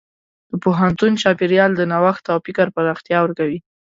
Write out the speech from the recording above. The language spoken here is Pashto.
د پوهنتون چاپېریال د نوښت او فکر پراختیا ورکوي.